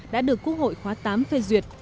đã được quốc hội khóa tám phê duyệt